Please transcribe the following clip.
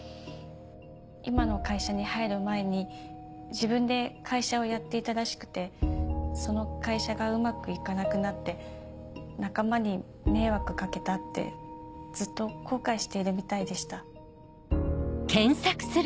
今の会社に入る前に自分で会社をやっていたらしくてその会社がうまく行かなくなって仲間に迷惑掛けたってずっと後悔しているみたいでした。